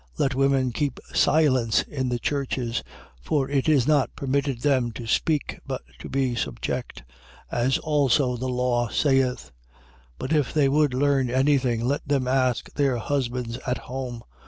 14:34. Let women keep silence in the churches: for it is not permitted them to speak but to be subject, as also the law saith. 14:35. But if they would learn anything, let them ask their husbands at home.